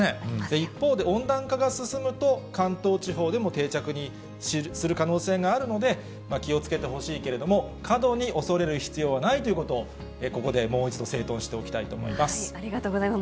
一方で、温暖化が進むと、関東地方でも定着する可能性があるので、気をつけてほしいけれども、過度に恐れる必要はないということを、ここでもう一度、整頓してありがとうございます。